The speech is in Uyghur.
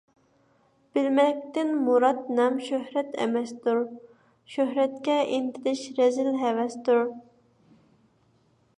بىلمەكتىن مۇرات – نام - شۆھرەت ئەمەستۇر، شۆھرەتكە ئىنتىلىش رەزىل ھەۋەستۇر.